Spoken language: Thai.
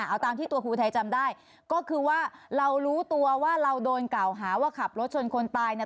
เอาตามที่ตัวครูอุทัยจำได้ก็คือว่าเรารู้ตัวว่าเราโดนกล่าวหาว่าขับรถชนคนตายเนี่ย